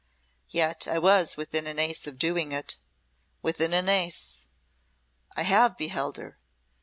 Yet I was within an ace of doing it within an ace. I have beheld her!